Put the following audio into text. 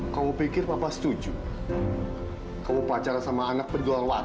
sampai jumpa di video selanjutnya